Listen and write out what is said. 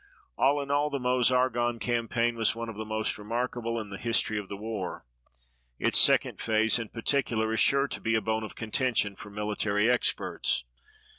All in all, the Meuse Argonne campaign was one of the most remarkable in the history of the war. Its second phase in particular is sure to be a bone of contention for military experts.